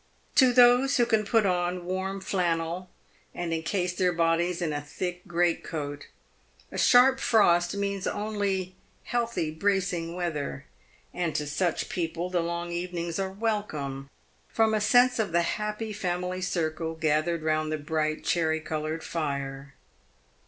To those who can put on warm flannel, and encase their bodies in a thick great coat, a sharp frost means only " healthy, bracing weather," and to such people the long evenings are •— flfeieome, from a sense of the happy family circle gathered round the bright cherry coloured fire.